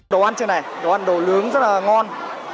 đồ ăn trước này đồ ăn đồ nướng rất là ngon